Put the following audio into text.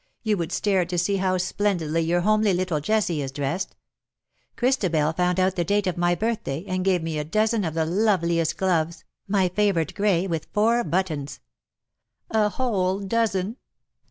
You would stare to see how splendidly your homely little Jessie is dressed! Christabel found out the date of my birthday, and gave me a dozen of the loveliest gloves, my favourite grey, v/ith four buttons. A whole dozen